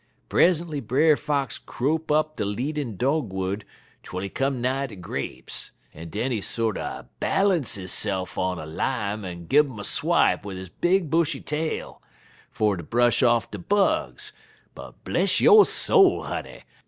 Present'y Brer Fox crope up de leanin' dogwood tree twel he come nigh de grapes, en den he sorter ballunce hisse'f on a lim' en gun um a swipe wid his big bushy tail, fer ter bresh off de bugs. But, bless yo' soul, honey!